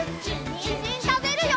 にんじんたべるよ！